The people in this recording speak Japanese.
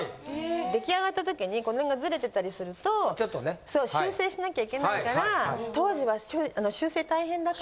出来上がった時にこの辺がズレてたりすると修正しなきゃいけないから。